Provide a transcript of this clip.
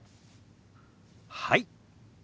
はい。